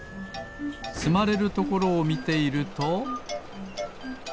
つまれるところをみていると。